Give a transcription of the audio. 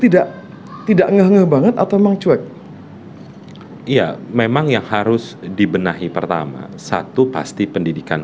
tidak tidak ngeh banget atau manggung iya memang yang harus dibenahi pertama satu pasti pendidikan